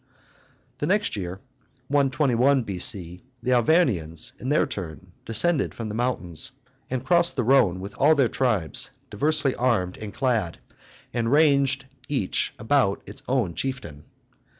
The next year, 121 B.C., the Arvernians in their turn descended from the mountains, and crossed the Rhone with all their tribes, diversely armed and clad, and ranged each about its own chieftain.